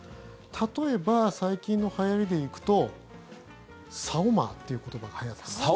例えば、最近のはやりでいくとサオマーという言葉がはやってまして。